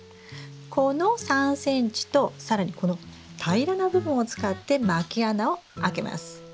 この３ｃｍと更にこの平らな部分を使ってまき穴を開けます。